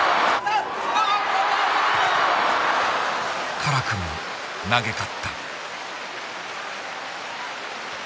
辛くも投げ勝った。